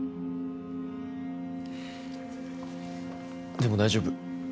でも大丈夫。